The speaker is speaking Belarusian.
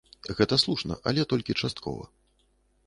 Гэта слушна, але толькі часткова.